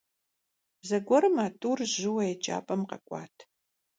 Зэгуэрым а тӏур жьыуэ еджапӏэм къэкӏуат.